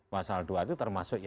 masalah dua itu termasuk